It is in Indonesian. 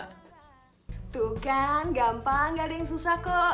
tuh kan gampang gak ada yang susah kok